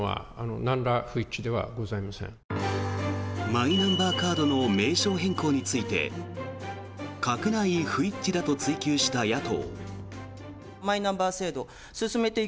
マイナンバーカードの名称変更について閣内不一致だと追及した野党。